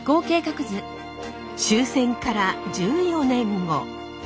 終戦から１４年後。